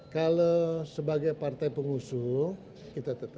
kalau sebagai partai pengusuh kita tetap hormati